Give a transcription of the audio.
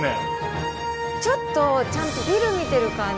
ちょっとちゃんとビル見てる感じで。